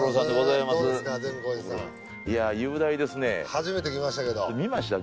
初めて来ましたけど。